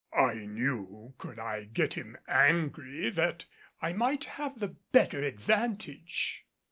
I knew could I get him angry that I might have the better advantage.